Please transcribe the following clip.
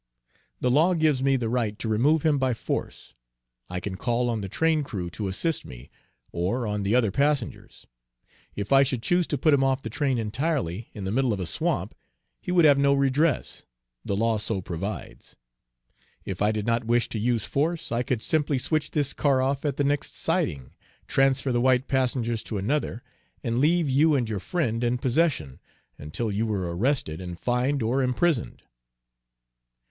"The law gives me the right to remove him by force. I can call on the train crew to assist me, or on the other passengers. If I should choose to put him off the train entirely, in the middle of a swamp, he would have no redress the law so provides. If I did not wish to use force, I could simply switch this car off at the next siding, transfer the white passengers to another, and leave you and your friend in possession until you were arrested and fined or imprisoned."